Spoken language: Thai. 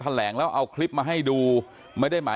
โคศกรรชาวันนี้ได้นำคลิปบอกว่าเป็นคลิปที่ทางตำรวจเอามาแถลงวันนี้นะครับ